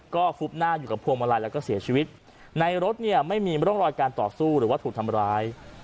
ก็ฟุบหน้าอยู่กับพวงมาลัยแล้วก็เสียชีวิตในรถเนี่ยไม่มีร่องรอยการต่อสู้หรือว่าถูกทำร้าย